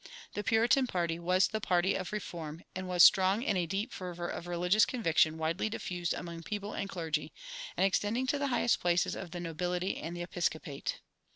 The Puritan party was the party of reform, and was strong in a deep fervor of religious conviction widely diffused among people and clergy, and extending to the highest places of the nobility and the episcopate.